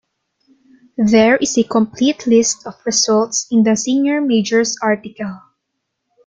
There is a complete list of results in the senior majors article.